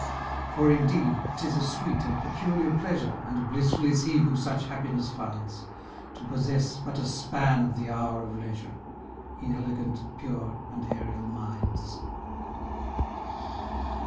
For, indeed, 'tis a sweet and peculiar pleasure, (And blissful is he who such happiness finds,) To possess but a span of the hour of leisure, In elegant, pure, and aerial minds.